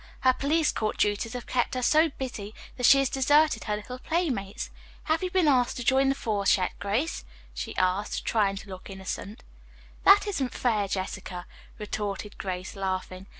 "Her police court duties have kept her so busy that she has deserted her little playmates. Have you been asked to join the force yet, Grace!" she asked, trying to look innocent. "That isn't fair, Jessica," retorted Grace, laughing.